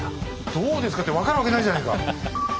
「どうですか？」って分かるわけないじゃないか！